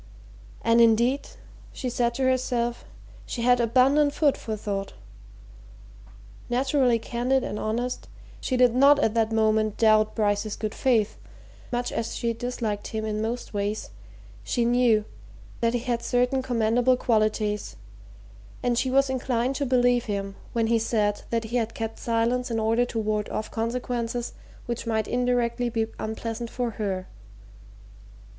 And indeed, she said to herself, she had abundant food for thought. Naturally candid and honest, she did not at that moment doubt Bryce's good faith; much as she disliked him in most ways she knew that he had certain commendable qualities, and she was inclined to believe him when he said that he had kept silence in order to ward off consequences which might indirectly be unpleasant for her.